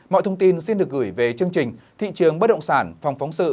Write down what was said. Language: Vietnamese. mọi thông tin xin được gửi về chương trình thị trường bất động sản phòng phóng sự